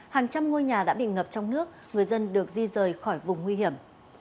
hàng trăm ngôi nhà đã bị ngập trong nước người dân được di rời khỏi vùng nguy hiểm